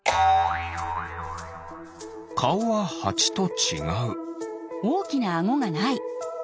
かおはハチとちがう。